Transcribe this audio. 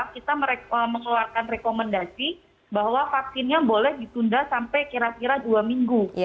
kita mengeluarkan rekomendasi bahwa vaksinnya boleh ditunda sampai kira kira dua minggu